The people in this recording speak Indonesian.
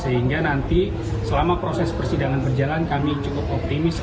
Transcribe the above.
sehingga nanti selama proses persidangan berjalan kami cukup optimis